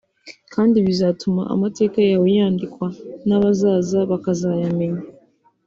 kandi bizatuma amateka yawe yandikwa n’abazaza bakazayamenya